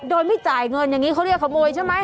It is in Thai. โดยไม่จ่ายเงินอย่างนี้เขาเรียกขโมยใช่ไหม